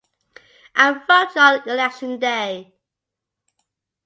I'm voting on Election Day!